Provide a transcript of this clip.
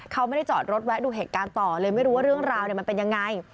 เขาไม่ได้จอดรถแวะดูเหตุการณ์ต่อเลยไม่รู้ว่าเรื่องราวมันเป็นยังไง